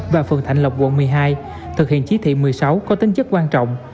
và phường thạnh lộc quận một mươi hai thực hiện chỉ thị một mươi sáu có tính chất quan trọng